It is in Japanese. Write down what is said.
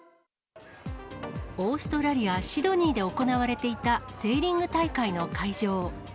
オーストラリア・シドニーで行われていたセーリング大会の会場。